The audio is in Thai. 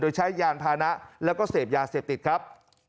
โดยใช้ยานพานะแล้วก็เสพยาเสพติดครับ